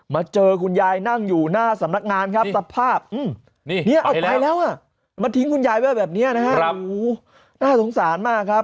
มาเจอคุณยายนั่งอยู่หน้าสำนักงานครับสภาพเอาไปแล้วอ่ะมาทิ้งคุณยายไว้แบบนี้นะฮะน่าสงสารมากครับ